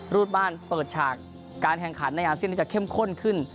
รูปบ้านเปิดฉากการแข่งขันในอาเซียนที่จะเข้มข้นขึ้น